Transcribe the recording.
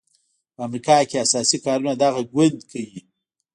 په امریکا کې اساسي کارونه دغه ګوند کوي.